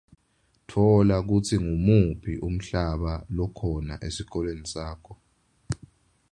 Tfola kutsi ngumuphi umhlaba lokhona esikolweni sakho.